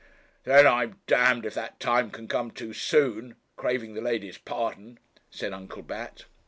'Then I'm d if that time can come too soon craving the ladies' pardon!' said Uncle Bat.